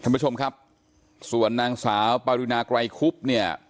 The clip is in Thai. ท่านผู้ชมครับส่วนนางสาวปารินาไกรคุบเนี่ย